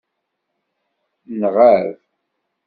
Nɣab.